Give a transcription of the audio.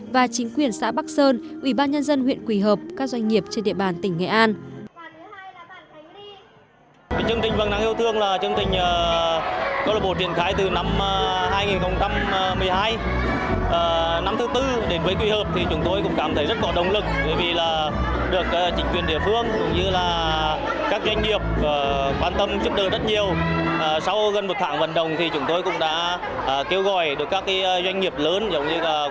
và chính quyền xã bắc sơn ubnd huyện quỳ hợp các doanh nghiệp trên địa bàn tỉnh nghệ an